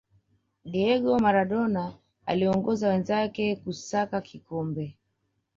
diego maradona aliongoza wenzake kusaka kikombe